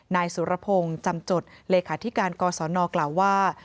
นายสุรพงศ์จำจดเลขาธิการกศนกล่าวว่า